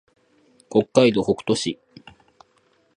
北海道北斗市